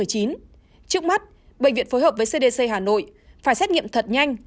trước mắt bệnh viện phối hợp với cdc hà nội phải xét nghiệm thật nhanh